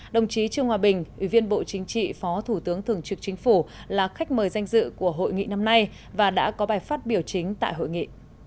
đồng chí trương hòa bình ủy viên bộ chính trị phó thủ tướng thường trực chính phủ là khách mời danh dự của hội nghị năm nay và đã có bài phát biểu chính tại hội nghị